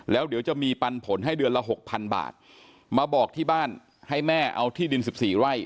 แล้วเดี๋ยวจะมีปันผลให้เดือนละหกพันบาทมาบอกที่บ้านให้แม่เอาที่ดิน๑๔ไร่